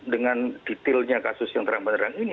dengan detailnya kasus yang terang benerang ini